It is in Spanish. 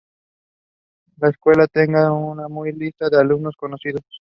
La escuela tenga una muy larga lista de alumnos conocidos.